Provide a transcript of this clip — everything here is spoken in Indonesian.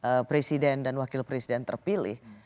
apakah presiden dan wakil presiden terpilih